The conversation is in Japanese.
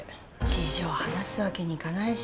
事情話すわけにいかないしね。